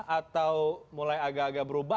atau mulai agak agak berubah